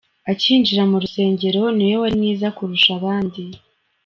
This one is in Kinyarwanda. Akinjira mu rusengero niwe wari mwiza kurusha abandi.